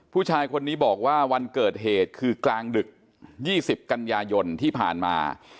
ผู้ชายคนนี้บอกว่าวันเกิดเหตุคือกลางดึก๒๐กันยายนที่ผ่านมา